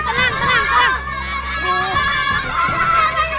tenang tenang tenang